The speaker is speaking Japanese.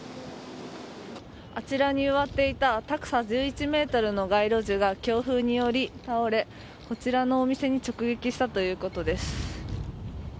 あちらに植わっていた高さ１１ｍの街路樹が強風により倒れ、こちらのお店に直撃したということです。